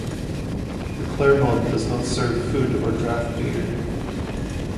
The Clermont does not serve food or draft beer.